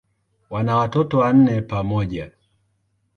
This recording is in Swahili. Wana watoto wanne pamoja.